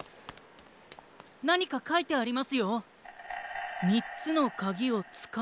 なにかかいてありますよ。